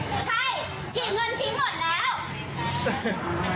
ใช่ฉีกเงินทิ้งหมดแล้ว